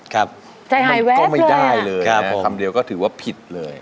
ครับใจหายแวะเลยครับครับผมมันก็ไม่ได้เลยนะคำเดียวก็ถือว่าผิดเลย